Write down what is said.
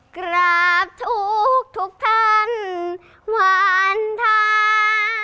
กราบทุกข์ทุกธรรมวันท้า